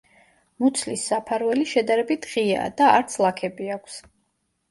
მუცლის საფარველი შედარებით ღიაა და არც ლაქები აქვს.